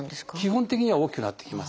基本的には大きくなっていきます。